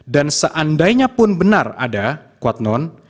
dan seandainya pun benar ada kuat non